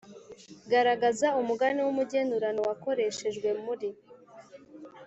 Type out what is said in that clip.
Garagaza umugani w’umugenurano wakoreshejwe muri